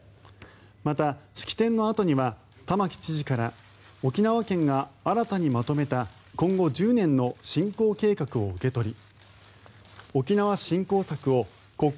また、式典のあとには玉城知事から沖縄県が新たにまとめた今後１０年の振興計画を受け取り